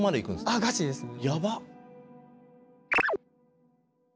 あっガチですね。